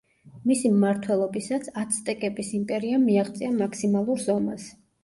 მისი მმართველობისას, აცტეკების იმპერიამ მიაღწია მაქსიმალურ ზომას.